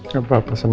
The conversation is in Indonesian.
gapapa seneng aja